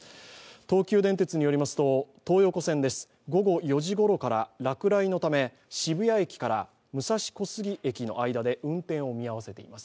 東急電鉄によりますと東横線が午後４時ごろから落雷のため、渋谷駅から武蔵小杉駅の間で運転を見合わせています。